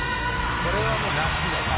これはもう夏だよ夏。